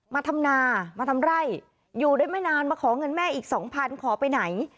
ทำนามาทำไร่อยู่ได้ไม่นานมาขอเงินแม่อีกสองพันขอไปไหน